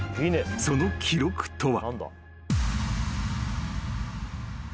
［その記録とは］